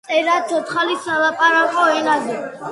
წერდა ცოცხალ სალაპარაკო ენაზე.